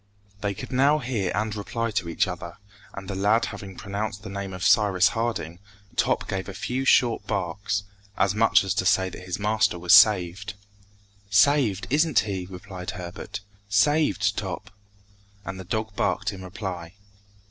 They could now hear and reply to each other, and the lad having pronounced the name of Cyrus Harding, Top gave a few short barks, as much as to say that his master was saved. "Saved, isn't he?" repeated Herbert; "saved, Top?" And the dog barked in reply.